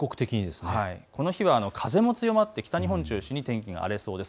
この日は風も強まって北日本中心に天気が荒れそうです。